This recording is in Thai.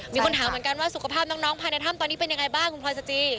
มีคนถามเหมือนกันว่าสุขภาพน้องภายในถ้ำตอนนี้เป็นยังไงบ้างคุณพลอยสจี